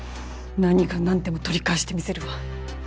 何が何でも取り返してみせるわ。